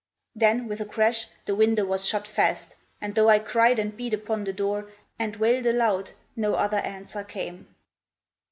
Then, with a crash, the window was shut fast; And, though I cried and beat upon the door And wailed aloud, no other answer came.